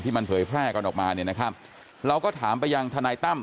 มันเผยแพร่กันออกมาเนี่ยนะครับเราก็ถามไปยังทนายตั้ม